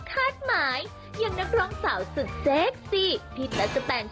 เท่าไหร่ก็ไม่ขึ้น